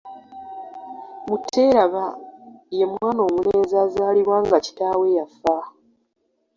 Muteeraba ye mwana omulenzi azaalibwa nga kitaawe yafa.